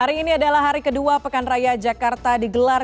hari ini adalah hari kedua pekan raya jakarta digelar